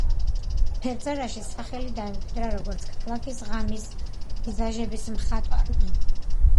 ფერწერაში სახელი დაიმკვიდრა, როგორც ქალაქის ღამის პეიზაჟების მხატვარმა.